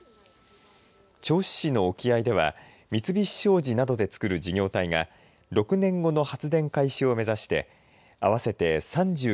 銚子市の沖合では三菱商事などでつくる事業体が６年後の発電開始を目指して合わせて３９万